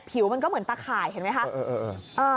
มันก็เหมือนตะข่ายเห็นไหมคะ